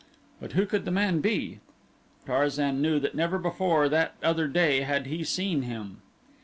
But who could the man be? Tarzan knew that never before that other day had he seen him.